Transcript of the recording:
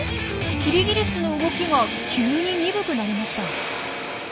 キリギリスの動きが急に鈍くなりました。